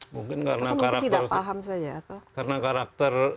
mungkin karena karakter